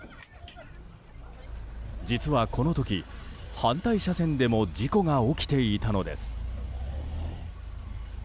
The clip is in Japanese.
実はこの時、反対車線でも事故が起きていたのです。